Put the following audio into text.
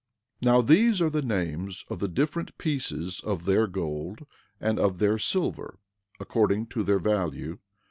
11:4 Now these are the names of the different pieces of their gold, and of their silver, according to their value.